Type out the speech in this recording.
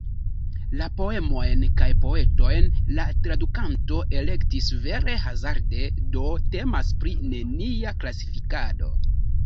La poemojn kaj poetojn la tradukanto elektis vere hazarde, do temas pri nenia klasifikado.